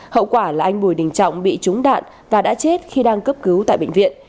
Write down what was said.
hậu quả là anh bùi đình trọng bị trúng đạn và đã chết khi đang cấp cứu tại bệnh viện